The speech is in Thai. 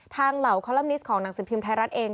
เหล่าคอลัมนิสของหนังสือพิมพ์ไทยรัฐเอง